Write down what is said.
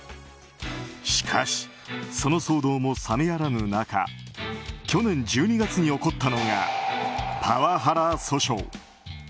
しかし、その騒動も冷めやらぬ中去年１２月に起こったのがパワハラ訴訟。